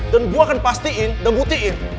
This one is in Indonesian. dan gue akan pastiin dan buktiin